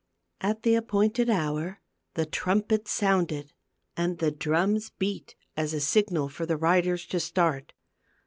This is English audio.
At the appointed hour, the trumpets sounded, and the drums beat as a signal for the riders to start.